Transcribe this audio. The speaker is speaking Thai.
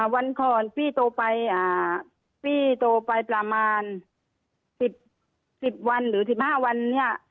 วันของพี่โตไปประมาณ๑๐วันหรือ๑๕วันนี้